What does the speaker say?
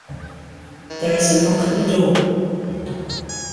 There is a knock at the door.